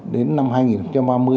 đến năm hai nghìn ba mươi